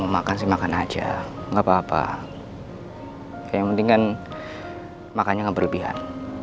makanya gak berlebihan